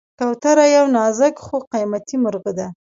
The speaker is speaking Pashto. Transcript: کوتره یو نازک خو قوي مرغه ده.